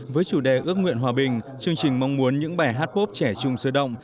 với chủ đề ước nguyện hòa bình chương trình mong muốn những bài hát bốp trẻ trung sơ động